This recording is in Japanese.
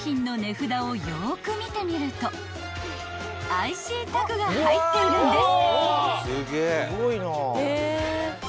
［ＩＣタグが入っているんです］